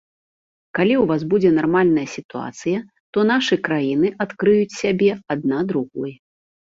Калі ў вас будзе нармальная сітуацыя, то нашы краіны адкрыюць сябе адна другой.